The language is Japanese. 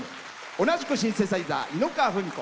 同じくシンセサイザー、猪川史子。